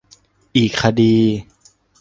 อีกคดี